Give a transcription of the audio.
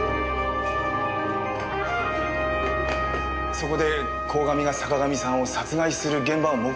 そこで鴻上が坂上さんを殺害する現場を目撃した。